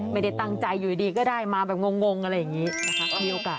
ไม่ได้ตั้งใจอยู่ดีก็ได้มาลงอย่างนี้มีโอกาส